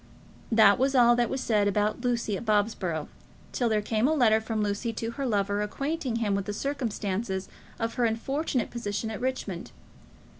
That was all that was said about Lucy at Bobsborough, till there came a letter from Lucy to her lover acquainting him with the circumstances of her unfortunate position at Richmond.